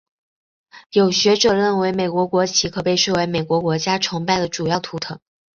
有学者认为美国国旗可被视为美国国家崇拜的主要图腾。